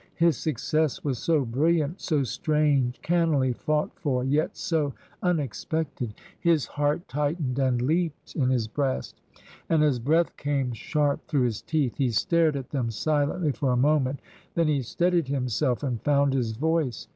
His success was so brilliant, so strange— cannily fought for, yet so unex pected ! His heart tightened and leapt in his breast, and 226 TRANSITION. his breath came sharp through his teeth ; he stared at them silently for a moment, then he steadied himself and found his voice.